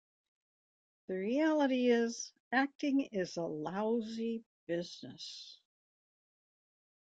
The reality is, acting is a lousy business...